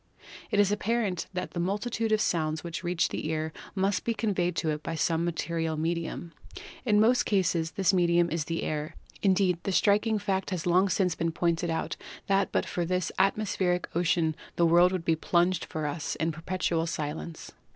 It is apparent that the multitude of sounds which reach the ear must be conveyed to it by some material medium. In most cases this medium is the air; indeed, the striking fact has long since been pointed out that but for this at mospheric ocean the world would be plunged for us in perpetual silence.